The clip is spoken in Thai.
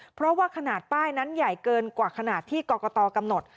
เพราะว่าขนาดป้ายนั้นใหญ่เกินกว่าขนาดที่กรกตกำหนด